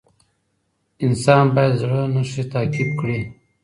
انسان باید د زړه نښې تعقیب کړي.